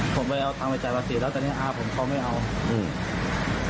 ผมไปเอาตังค์ไปจ่ายภาษีแล้วตอนนี้อาผมเขาไม่เอาอืม